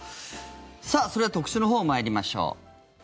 それでは特集のほう参りましょう。